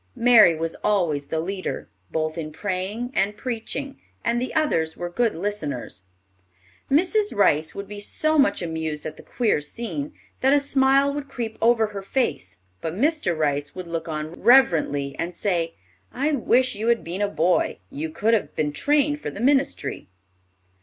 Mary was always the leader, both in praying and preaching, and the others were good listeners. Mrs. Rice would be so much amused at the queer scene, that a smile would creep over her face; but Mr. Rice would look on reverently, and say, "I wish you had been a boy; you could have been trained for the ministry."